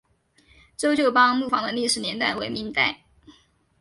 周旧邦木坊的历史年代为明代。